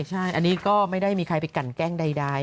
ใช่อันนี้ก็ไม่ได้มีใครไปกันแกล้งใด